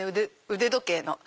腕時計の。